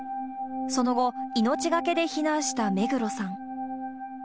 その後、命懸けで避難した目黒さん。